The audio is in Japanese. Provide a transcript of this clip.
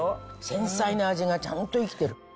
繊細な味がちゃんと生きてる。